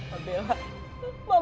mau sampai kapan bella